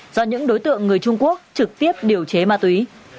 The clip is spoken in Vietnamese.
do những đối tượng người trung quốc trực tiếp điều chế ma túy